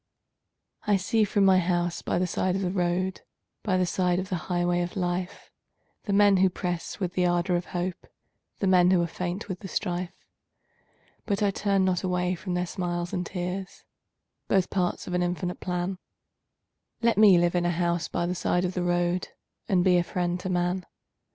I see from my house by the side of the road By the side of the highway of life, The men who press with the ardor of hope, The men who are faint with the strife, But I turn not away from their smiles and tears, Both parts of an infinite plan Let me live in a house by the side of the road And be a friend to man.